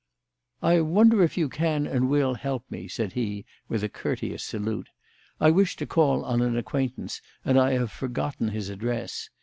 "I wonder if you can and will help me," said he, with a courteous salute. "I wish to call on an acquaintance, and I have forgotten his address.